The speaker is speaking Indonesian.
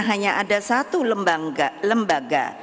hanya ada satu lembaga